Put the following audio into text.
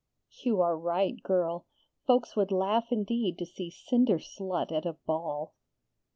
'You are right, girl. Folks would laugh indeed to see Cinder slut at a ball!'